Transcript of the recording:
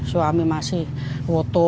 suami masih woto